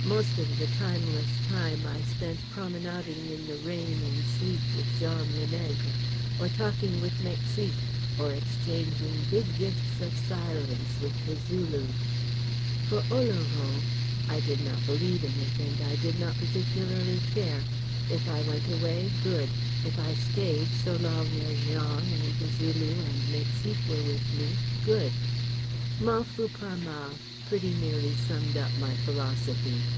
Most of the timeless time I spent promenading in the rain and sleet with Jean le Nègre, or talking with Mexique, or exchanging big gifts of silence with The Zulu. For Oloron—I did not believe in it, and I did not particularly care. If I went away, good; if I stayed, so long as Jean and The Zulu and Mexique were with me, good. "M'en fous pas mal," pretty nearly summed up my philosophy.